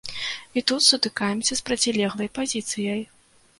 І тут сутыкаемся з процілеглай пазіцыяй.